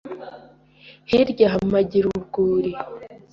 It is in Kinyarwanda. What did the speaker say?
Hirya aha mpagira urwuri